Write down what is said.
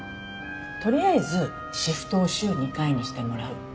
取りあえずシフトを週２回にしてもらう。